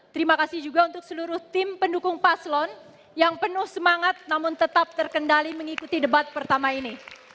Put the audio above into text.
terima kasih juga untuk seluruh tim pendukung paslon yang penuh semangat namun tetap terkendali mengikuti debat pertama ini